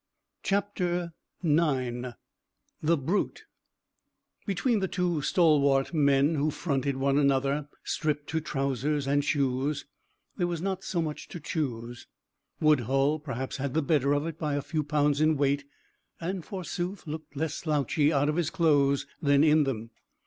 CHAPTER IX THE BRUTE Between the two stalwart men who fronted one another, stripped to trousers and shoes, there was not so much to choose. Woodhull perhaps had the better of it by a few pounds in weight, and forsooth looked less slouchy out of his clothes than in them.